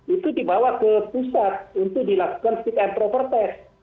itu dibawa ke pusat untuk dilakukan fit and proper test